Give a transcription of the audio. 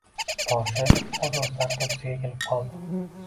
boshi oʻz-oʻzidan koʻksiga egilib qoldi.